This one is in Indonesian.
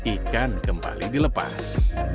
ikan kembali dilepas